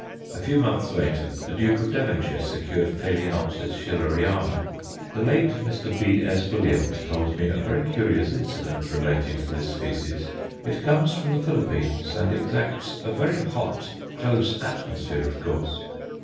A few months later the Duke of Devonshire secured Ph. Schilleriana. The late Mr. B.S. Williams told me a very curious incident relating to this species. It comes from the Philippines, and exacts a very hot, close atmosphere of course.